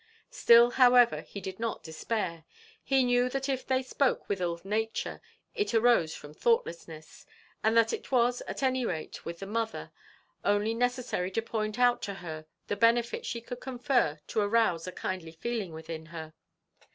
Still, however, he did not despair; he knew that if they spoke with ill nature, it arose from thoughtlessness and that it was, at any rate with the mother, only necessary to point out to her the benefit she could confer, to arouse a kindly feeling within her.